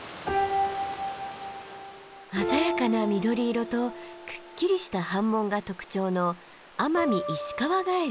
鮮やかな緑色とくっきりした斑紋が特徴のアマミイシカワガエル。